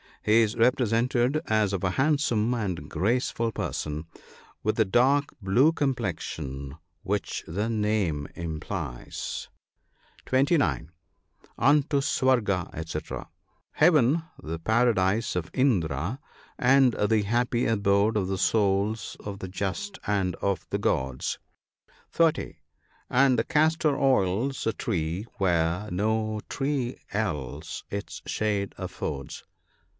He is represented as of a handsome and graceful person, with the dark blue complexion which the name implies. (29.) Unto Swarga, <5rY. — Heaven, the paradise of Indra, and the happy abode of the souls of the just and of the gods. (30.) And the castor oits a tree, where no tree else its shade affords.